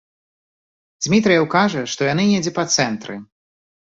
Дзмітрыеў кажа, што яны недзе па цэнтры.